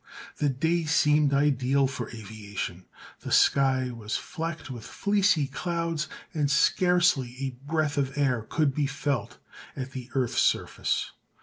The day seemed ideal for aviation; the sky was flecked with fleecy clouds and scarcely a breath of air could be felt at the earth's surface.